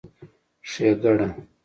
ښېګړه